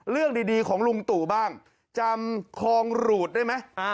เรื่องดีของลุงตู่บ้างจำคลองหรูดได้ไหม